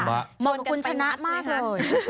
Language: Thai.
มองกับคุณชนะมากเลย